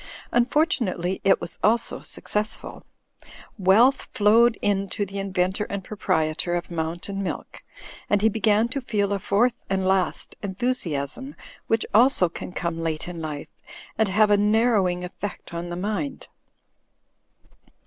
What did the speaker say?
Unfortunately it was also successful: wealth flowed in to the inventor and proprietor of Mountain Milk, and he began to feel a fourth and last enthusiasm, which, also, can come late in life and have a narrowing effect on the mind.